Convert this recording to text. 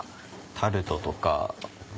タルトとか。